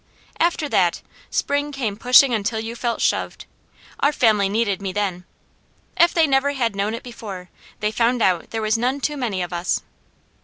After that, spring came pushing until you felt shoved. Our family needed me then. If they never had known it before, they found out there was none too many of us.